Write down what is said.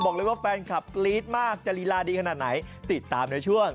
บอกเลยว่าแฟนคลับกรี๊ดมากจะลีลาดีขนาดไหนติดตามในช่วง